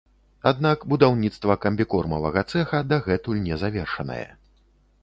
Аднак будаўніцтва камбікормавага цэха дагэтуль не завершанае.